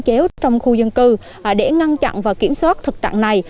chéo trong khu dân cư để ngăn chặn và kiểm soát thực trạng này